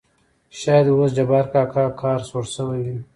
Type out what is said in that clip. شاېد اوس جبار کاکا قهر سوړ شوى وي.